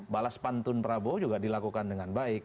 balas pantun prabowo juga dilakukan dengan baik